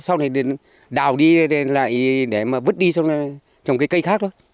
sau này đào đi lại để mà vứt đi trong cái cây khác đó